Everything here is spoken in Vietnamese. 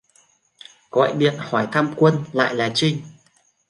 Gọi điện hỏi thăm Quân lại là Trinh